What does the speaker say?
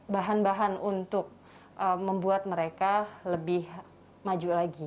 bahan bahan untuk membuat mereka lebih maju lagi